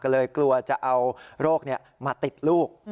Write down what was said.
ก็เลยกลัวจะเอาโรคมาติดลูก